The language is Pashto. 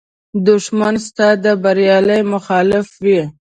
دښمن ستا د بریا مخالف وي